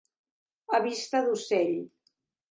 A vista d'ocell.